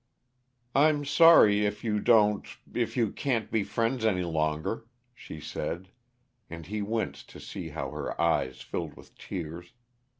"I'm sorry, if you don't if you can't be friends any longer," she said, and he winced to see how her eyes filled with tears.